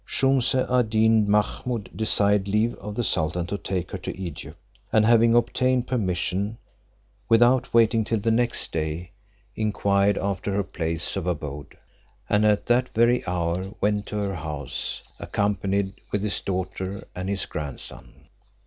Shumse ad Deen Mahummud desired leave of the sultan to take her to Egypt; and having obtained permission, without waiting till the next day, inquired after her place of abode, and that very hour went to her house, accompanied with his daughter and his grandson.